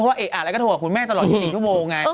เพราะว่าเอกอ่านอะไรก็โทรกับคุณแม่ตลอด๒๔ชั่วโมงไง